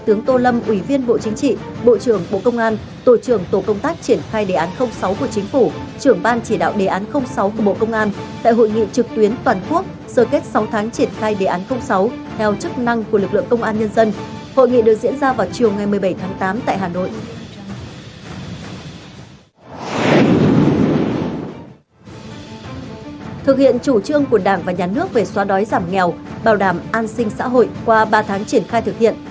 thực hiện chủ trương của đảng và nhà nước về xóa đói giảm nghèo bảo đảm an sinh xã hội qua ba tháng triển khai thực hiện